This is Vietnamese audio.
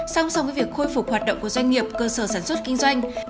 song song với việc khôi phục hoạt động của doanh nghiệp cơ sở sản xuất kinh doanh